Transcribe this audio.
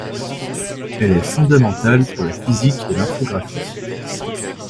Elle est fondamentale pour la physique et l'infographie.